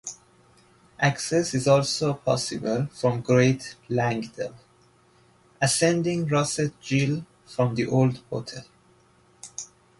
Access is also possible from Great Langdale, ascending Rossett Gill from the Old Hotel.